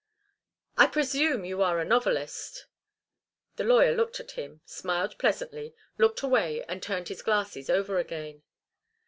"I presume you are a novelist." The lawyer looked at him, smiled pleasantly, looked away and turned his glasses over again.